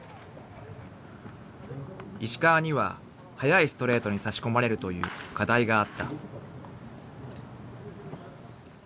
［石川には速いストレートに差し込まれるという課題があった］